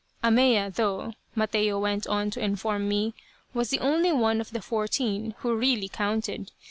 Ahmeya, though, Mateo went on to inform me, was the only one of the fourteen who really counted.